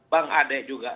bang ade juga